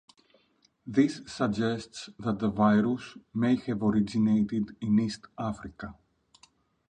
This suggests that the virus may have originated in East Africa.